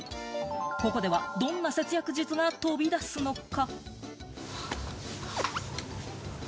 ここではどんな節約術が飛び出すのか？